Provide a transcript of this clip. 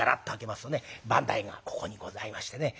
番台がここにございましてね